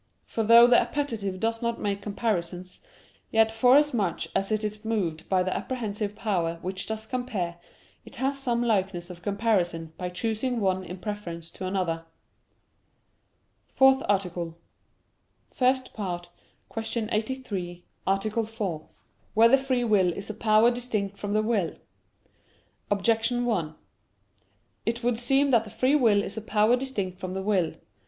For though the appetite does not make comparisons, yet forasmuch as it is moved by the apprehensive power which does compare, it has some likeness of comparison by choosing one in preference to another. _______________________ FOURTH ARTICLE [I, Q. 83, Art. 4] Whether Free will Is a Power Distinct from the Will? Objection 1: It would seem that free will is a power distinct from the will.